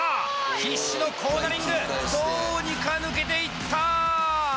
必死のコーナリングどうにか抜けていった！